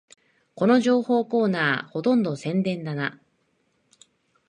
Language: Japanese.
この情報コーナー、ほとんど宣伝だな